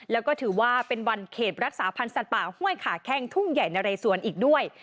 แล้วก็ถือว่าเป็นวันเขตรักษาพันธ์สัตว์ป่าห้วยขาแข้งทุ่งใหญ่นะเรสวนอีกด้วย